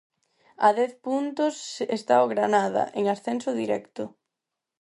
A dez puntos está o Granada, en ascenso directo.